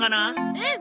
うん。